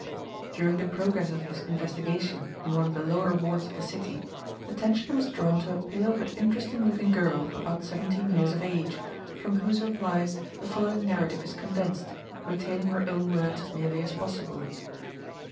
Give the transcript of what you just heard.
During the progress of this investigation in one of the lower wards of the city, attention was drawn to a pale but interesting looking girl, about seventeen years of age, from whose replies the following narrative is condensed, retaining her own words as nearly as possible.